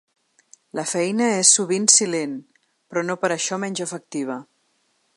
La feina és sovint silent, però no per això menys efectiva.